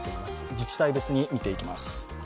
自治体別に見ていきます。